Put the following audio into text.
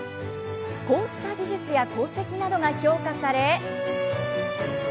こうした技術や功績などが評価され。